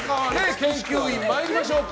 研究員、参りましょうか。